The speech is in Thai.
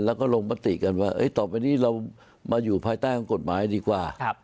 แล้วก็ลงมติกันว่าต่อไปนี้เรามาอยู่ภายใต้ของกฎหมายดีกว่า